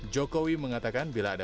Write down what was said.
jokowi mengatakan bila ada